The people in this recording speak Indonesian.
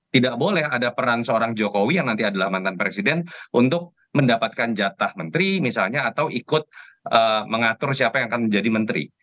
tidak boleh ada peran seorang jokowi yang nanti adalah mantan presiden untuk mendapatkan jatah menteri misalnya atau ikut mengatur siapa yang akan menjadi menteri